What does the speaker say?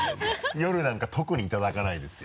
夜なんか特にいただかないですよ。